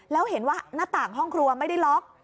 แล้วเห็นว่าหน้าต่างห้องครัวไม่ได้ล็อก